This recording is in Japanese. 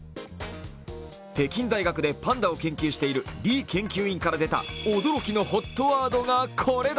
北京大学でパンダを研究している李研究員から出たのは驚きのＨＯＴワードがこれだ。